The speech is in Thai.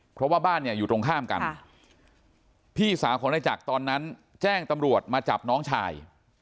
เพราะว่าบ้านเนี่ยอยู่ตรงข้ามกันพี่สาวของนายจักรตอนนั้นแจ้งตำรวจมาจับน้องชาย